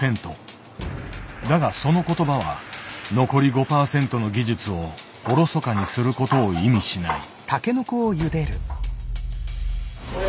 だがその言葉は残り５％の技術をおろそかにすることを意味しない。